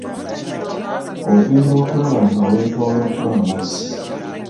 Ogenda okulaba nga weetooloddwa amazzi.